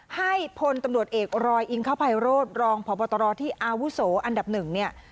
ให้พลตำรวจเอกรอยอิงคภัยโรธรองพบตรที่อาวุโสอันดับหนึ่งเนี่ย